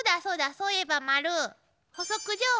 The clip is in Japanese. そういえばマル。